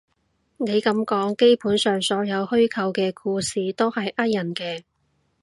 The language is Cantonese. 你噉講，基本上所有虛構嘅故事都係呃人嘅